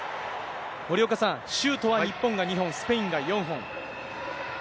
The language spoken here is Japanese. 森岡さん、シュートは日本が２本、スペインが４本。